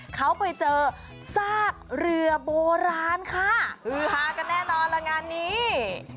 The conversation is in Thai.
เขาไปเจอซากเรือโบราณค่ะฮือฮากันแน่นอนละงานนี้